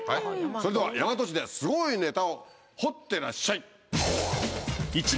それでは大和市ですごいネタを掘ってらっしゃい！